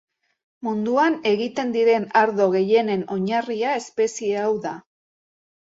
Munduan egiten diren ardo gehienen oinarria espezie hau da.